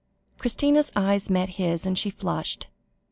Christina's eyes met his, and she flushed.